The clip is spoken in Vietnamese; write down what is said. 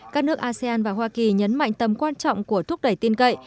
các nước asean và hoa kỳ nhấn mạnh tầm quan trọng của thúc đẩy tin cậy